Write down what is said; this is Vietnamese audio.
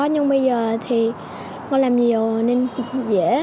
nhưng bây giờ thì con làm nhiều nên dễ